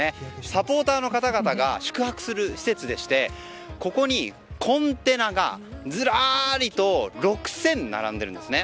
サポーターの方々が宿泊する施設でしてここにコンテナがずらりと６０００並んでいるんですね。